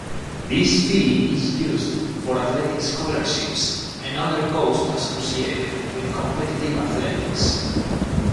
This fee is used for athletic scholarships and other costs associated with competitive athletics.